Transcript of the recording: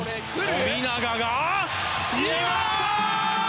富永が、来ました！